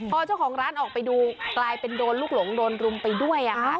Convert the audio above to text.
พอเจ้าของร้านออกไปดูกลายเป็นโดนลูกหลงโดนรุมไปด้วย